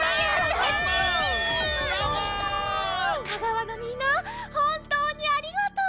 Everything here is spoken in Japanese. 香川のみんなほんとうにありがとう！